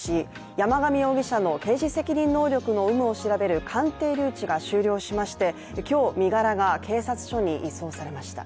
山上容疑者の刑事責任能力の有無を調べる鑑定留置が終了しまして今日、身柄が警察署に移送されました。